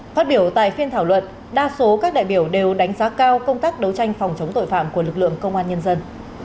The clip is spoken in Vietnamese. phát biểu tại phiên thảo luận đa số các đại biểu đều đánh giá cao công tác đấu tranh phòng chống tội phạm của lực lượng công an nhân dân